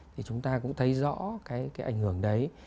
thì chúng ta cũng thấy rõ cái ảnh hưởng đấy